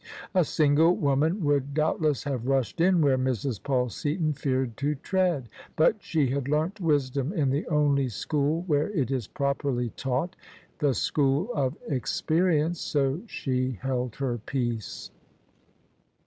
A single woman would doubtless have rushed in where Mrs. Paid Seaton feared to tread. But she had learnt wisdom in the only school where it is properly taught — the school of experience: so she held her peace.